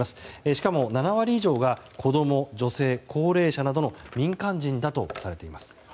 しかも７割以上が子供、女性、高齢者などの民間人だとされています。